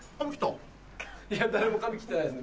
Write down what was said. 誰も髪切ってないです